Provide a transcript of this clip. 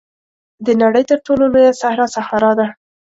د نړۍ تر ټولو لویه صحرا سهارا ده.